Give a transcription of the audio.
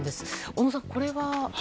小野さん、これは。